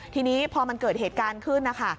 ทีนี้พอมันเกิดเหตุการณ์ขึ้นนะคะ